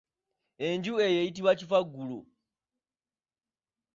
Enju eyo eyitibwa kifaggulo.